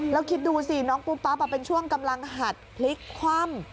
แล้วคิดดูสิน้องปุ๊บปั๊บเป็นช่วงกำลังหัดพลิกคว่ำ